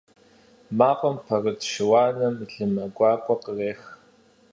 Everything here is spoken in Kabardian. МафӀэм пэрыт шыуаным лымэ гуакӀуэ кърех.